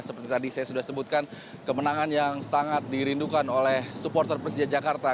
seperti tadi saya sudah sebutkan kemenangan yang sangat dirindukan oleh supporter persija jakarta